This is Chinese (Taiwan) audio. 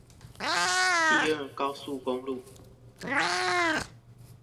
第二高速公路